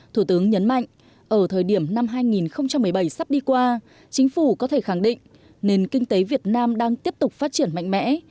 thủ tướng nhấn mạnh ở thời điểm năm hai nghìn một mươi bảy sắp đi qua chính phủ có thể khẳng định nền kinh tế việt nam đang tiếp tục phát triển mạnh mẽ